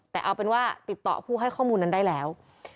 แต่เอาเป็นว่าติดต่อผู้ให้ข้อมูลนั้นได้แล้ว